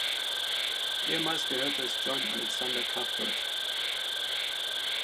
Ehemals gehörte es "John Alexander Cuthbert".